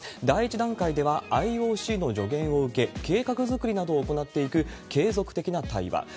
第１段階では、ＩＯＣの助言を受け、計画作りなどを行っていく継続的な対話。